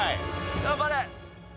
頑張れ！